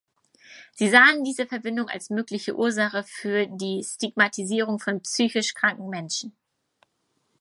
Sie sahen diese Verbindung als mögliche Ursache für die Stigmatisierung von psychisch kranken Menschen.